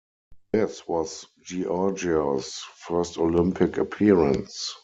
This was Georgeos' first Olympic appearance.